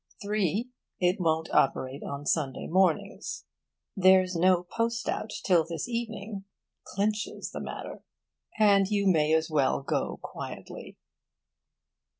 (3) It won't operate on Sunday mornings. 'There's no post out till this evening' clinches the matter; and you may as well go quietly.